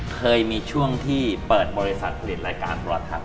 เคยมีช่วงที่เปิดบริษัทผลิตรายการประวัติธรรม